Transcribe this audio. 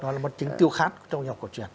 nó là một chiến tiêu khác trong y học cổ truyền